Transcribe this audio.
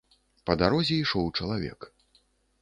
Па дарозе ішоў чалавек.